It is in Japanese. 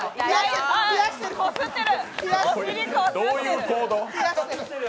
お尻こすってる！